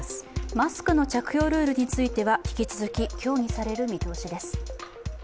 マスクの着用ルールについては引き続き協議される見通しです。